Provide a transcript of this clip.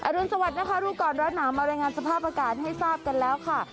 รุนสวัสดิ์นะคะรู้ก่อนร้อนหนาวมารายงานสภาพอากาศให้ทราบกันแล้วค่ะ